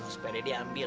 supaya dia ambil